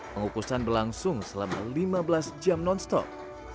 pengukusan berlangsung selama lima belas jam non stop